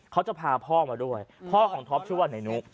เขาจะพาพ่อมาด้วยพ่อของท็อปชื่อว่านายนุ